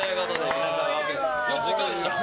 皆さん、いかがでしたか？